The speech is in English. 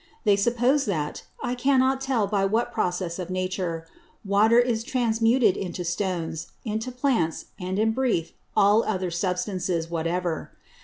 They suppose that, I cannot tell by what Process of Nature, Water is transmuted into Stones, into Plants, and in brief, all other Substances whatever.